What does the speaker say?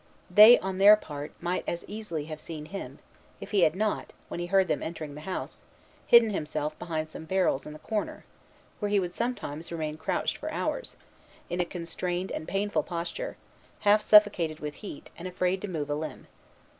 They, on their part, might as easily have seen him, if he had not, when he heard them entering the house, hidden himself behind some barrels in the corner, where he would sometimes remain crouched for hours, in a constrained and painful posture, half suffocated with heat, and afraid to move a limb.